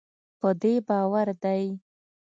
په دې باور دی